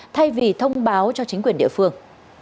thay vì thông báo cho chính quyền địa phương